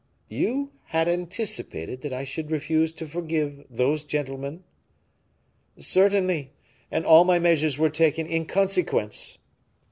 "You had 'anticipated' that I should refuse to forgive those gentlemen?" "Certainly; and all my measures were taken in consequence."